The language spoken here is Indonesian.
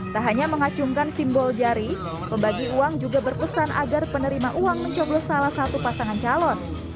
tak hanya mengacungkan simbol jari pembagi uang juga berpesan agar penerima uang mencoblos salah satu pasangan calon